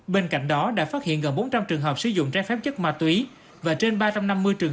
bên cạnh đó đã phát hiện gần bốn trăm linh trường hợp sử dụng trái phép chất ma túy và trên ba trăm năm mươi trường